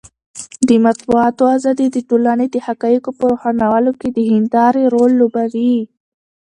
د مطبوعاتو ازادي د ټولنې د حقایقو په روښانولو کې د هندارې رول لوبوي.